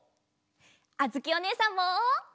あづきおねえさんも！